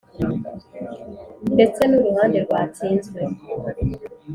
Ndetse nu ruhande rwatsinzwe.